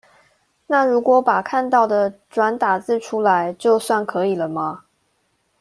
那如果把看到的轉打字出來，就算可以了嗎？